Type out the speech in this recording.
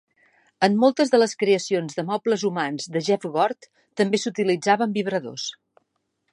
En moltes de les creacions de mobles humans de Jeff Gord, també s'utilitzaven vibradors.